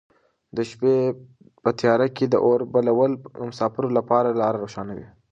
د شپې په تیاره کې د اور بلول د مساپرو لپاره لاره روښانوي.